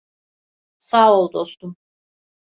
Sağ ol dostum.